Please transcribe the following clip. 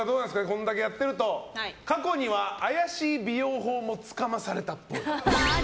これだけやってると過去には怪しい美容法もつかまされたっぽい。